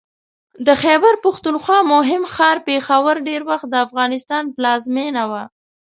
د خیبر پښتونخوا مهم ښار پېښور ډېر وخت د افغانستان پلازمېنه وه